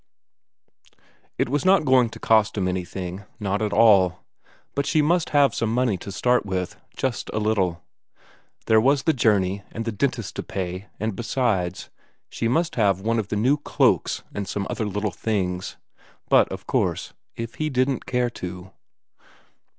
It was not going to cost him anything, not at all. But she must have some money to start with, just a little; there was the journey, and the dentist to pay, and besides, she must have one of the new cloaks and some other little things. But, of course, if he didn't care to....